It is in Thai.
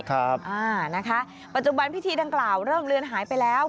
นะคะปัจจุบันพิธีดังกล่าวเริ่มเลือนหายไปแล้ว